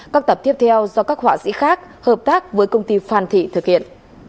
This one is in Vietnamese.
các tập tiếp theo do các họa sĩ khác hợp tác với công ty phan thị thực hiện